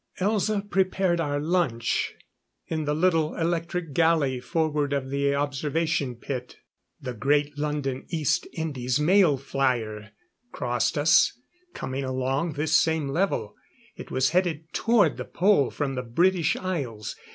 Elza prepared our lunch, in the little electric galley forward of the observation pit. The Great London East Indies Mail Flyer crossed us, coming along this same level. It was headed toward the Pole from the British Isles.